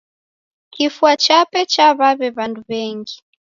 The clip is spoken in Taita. Kifwa chape chaw'aw'e w'andu w'engi.